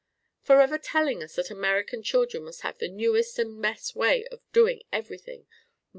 "... forever telling us that American children must have the newest and best way of doing everything....